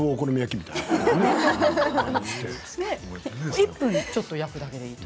１分ちょっと焼くだけでいいと。